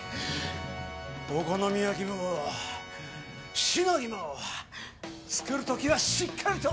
お好み焼きもシノギも作る時はしっかりと！